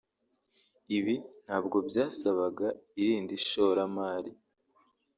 ibi ntabwo byasabaga irindi shoramari